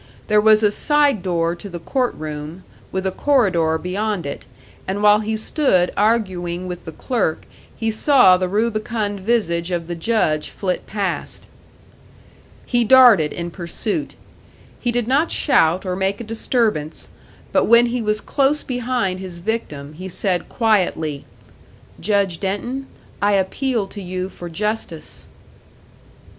There was a side door to the court room, with a corridor beyond it, and while he stood arguing with the clerk he saw the rubicund visage of the Judge flit past. He darted in pursuit. He did not shout or make a disturbance; but when he was close behind his victim, he said, quietly, "Judge Denton, I appeal to you for justice!"